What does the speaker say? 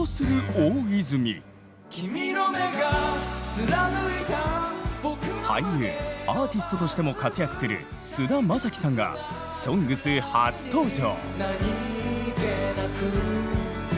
続いては俳優アーティストとしても活躍する菅田将暉さんが「ＳＯＮＧＳ」初登場！